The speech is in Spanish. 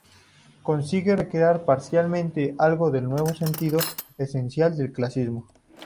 Consigue recrear parcialmente algo del nuevo sentido esencial del clasicismo.